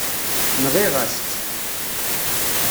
Nɣiɣ-as-tt.